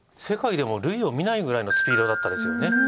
世界でも類を見ないくらいのスピードだったですよね。